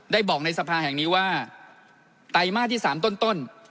ได้บอกในสภาแห่งนี้ว่าไตรมาสที่๓ต้น